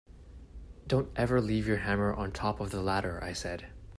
Don’t ever leave your hammer on the top of the ladder, I said.